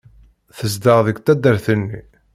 Tezdeɣ deg taddart-nni.